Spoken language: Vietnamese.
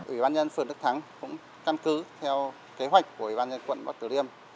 ủy ban nhân phường đức thắng cũng căn cứ theo kế hoạch của ủy ban nhân quận bắc tử liêm